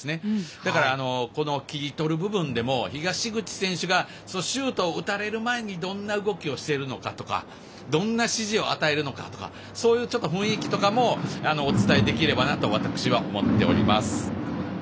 だから、切り取る部分でも東口選手がシュートを打たれる前にどんな動きをしているのかとかどんな指示を与えるのかとかそういう、ちょっと雰囲気とかもお伝えできればなと思っています。